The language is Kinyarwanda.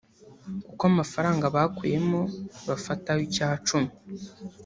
kuko amafaranga bakuyemo bafataho icya cumi